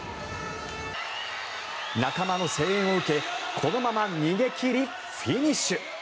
仲間の声援を受けこのまま逃げ切りフィニッシュ！